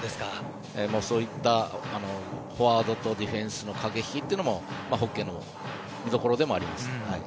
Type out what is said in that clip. そういったフォワードとディフェンスの駆け引きもホッケーの見どころでもあります。